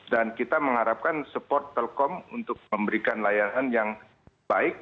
dan kita mengharapkan support telkom untuk memberikan layanan yang baik